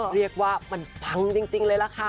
เรียกว่ามันปังจริงเลยล่ะค่ะ